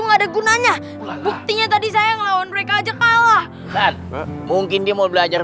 enggak ada gunanya buktinya tadi saya ngelawan mereka aja kalah mungkin dia mau belajar